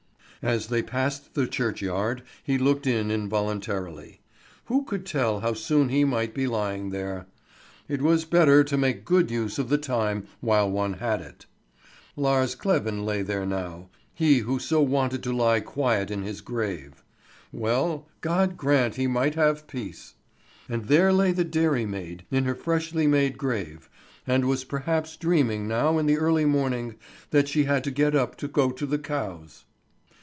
As they passed the churchyard, he looked in involuntarily. Who could tell how soon he might be lying there? It was better to make good use of the time while one had it. Lars Kleven lay there now he who so wanted to lie quiet in his grave. Well, God grant he might have peace! And there lay the dairy maid in her freshly made grave, and was perhaps dreaming now in the early morning that she had to get up to go to the cows.